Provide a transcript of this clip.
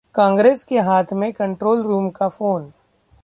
कांग्रेस के 'हाथ' में कंट्रोल रूम का फोन!